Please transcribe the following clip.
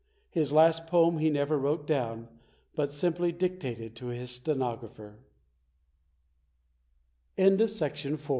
His last poem he never wrote down, but simply dictated to his stenographer.